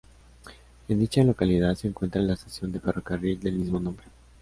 En dicha localidad se encuentra la estación de ferrocarril del mismo nombre.